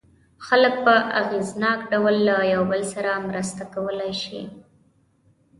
خلک په اغېزناک ډول له یو بل سره مرسته کولای شي.